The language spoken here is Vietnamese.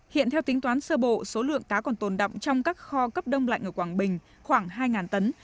hiện theo tính toán sơ bộ số lượng cá còn tồn động trong các kho cấp đông lạnh ở quảng bình khoảng hai tấn